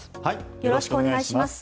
よろしくお願いします。